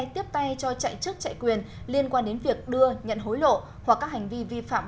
tiếp tay cho chạy chức chạy quyền liên quan đến việc đưa nhận hối lộ hoặc các hành vi vi phạm